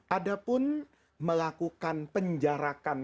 adapun melakukan penjarakan